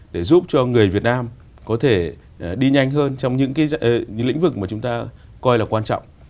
để giúp cho người việt nam có thể đi nhanh hơn trong những lĩnh vực mà chúng ta coi là quan trọng